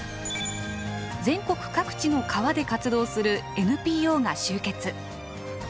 全国各地の川で活動するＮＰＯが集結。